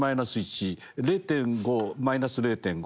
０．５マイナス０．５。